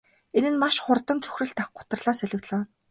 Энэ нь маш хурдан цөхрөл гутралаар солигдлоо.